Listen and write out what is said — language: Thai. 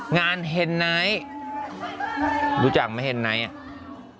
เฮนไนท์รู้จักไหมเฮนไนท์อ่ะ